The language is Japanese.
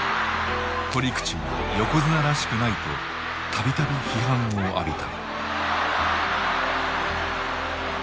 取り口が横綱らしくないと度々批判を浴びた。